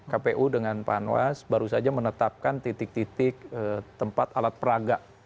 kpu dengan panwas baru saja menetapkan titik titik tempat alat peraga